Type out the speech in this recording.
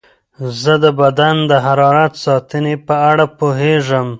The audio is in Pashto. زه د بدن د حرارت ساتنې په اړه پوهېږم.